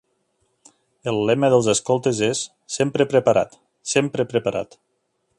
El lema dels escoltes és "Sempre preparat", "Sempre preparat".